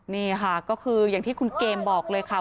นี่ค่ะก็คืออย่างที่คุณเกมบอกเลยค่ะ